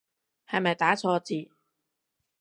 係咪打錯字